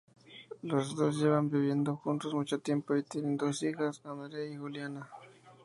Los dos llevan viviendo juntos mucho tiempo y tienen dos hijas, Andrea y Juliana.